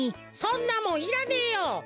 そんなもんいらねえよ。